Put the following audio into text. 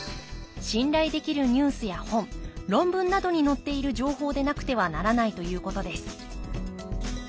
信頼できるニュースや本論文などに載っている情報でなくてはならないということです